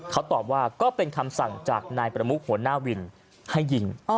เขาตอบว่าก็เป็นคำสั่งจากนายประมุกหัวหน้าวินให้ยิง